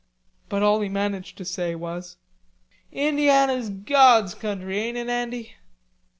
But all he managed to say was: "Indiana's God's country, ain't it, Andy?"